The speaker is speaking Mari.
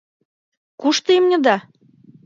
— Кушто имньыда?..